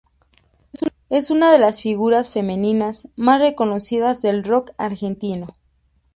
Es una de las figuras femeninas más reconocidas del rock argentino.